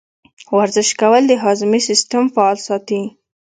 ورزش کول د هاضمې سیستم فعال ساتي.